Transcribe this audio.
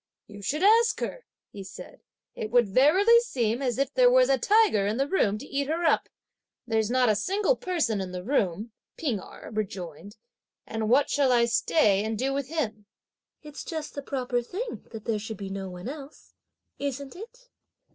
"You should ask her," he said. "It would verily seem as if there were a tiger in the room to eat her up." "There's not a single person in the room," P'ing Erh rejoined, "and what shall I stay and do with him?" "It's just the proper thing that there should be no one else! Isn't it?"